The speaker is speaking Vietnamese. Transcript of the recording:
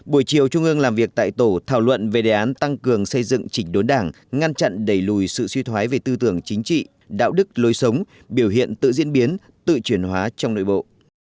buổi chiều trung ương làm việc tại tổ thảo luận về đề án tăng cường xây dựng chỉnh đốn đảng ngăn chặn đẩy lùi sự suy thoái về tư tưởng chính trị đạo đức lối sống biểu hiện tự diễn biến tự chuyển hóa trong nội bộ